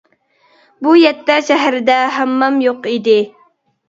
بۇ يەتتە شەھەردە ھاممام يوق ئىدى.